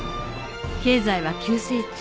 経済は急成長